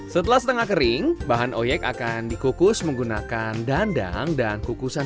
setelah setengah kering bahan oyek akan dikukus menggunakan dandang dan kukusan